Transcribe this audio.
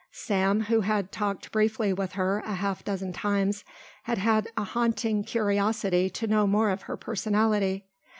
Sam, who had talked briefly with her a half dozen times, had long had a haunting curiosity to know more of her personality.